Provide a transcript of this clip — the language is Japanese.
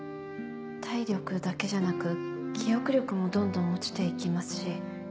体力だけじゃなく記憶力もどんどん落ちていきますし。